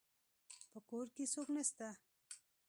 په کور کي څوک نسته